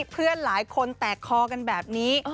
เพื่อนหลายคนแตกคอกันแบบนี้